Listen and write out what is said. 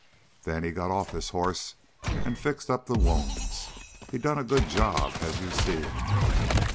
"Then he got off his hoss and fixed up the wounds. He done a good job, as you seen.